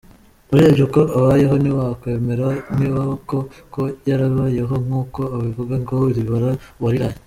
Urebye uko abayeho ntiwakwemera nibaba koko yarabayeho nk'uko abivuga, ngo ribara uwariraye.